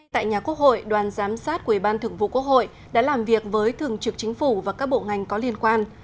tại nhà quốc hội đoàn giám sát của ủy ban thượng vụ quốc hội đã làm việc với thường trực chính phủ và các bộ ngành có liên quan